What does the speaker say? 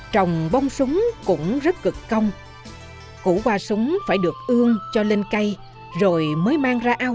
trồng bông súng cũng rất khó khăn nhưng người dân ở lung ngọc hoàng chỉ chuyên trồng một loại hoa súng tím